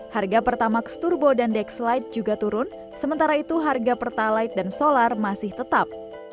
harga pertamax turbo dan dexlite juga turun sementara itu harga pertalite dan solar masih tetap